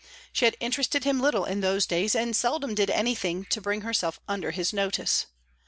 She had interested him little in those days, and seldom did anything to bring herself under his notice.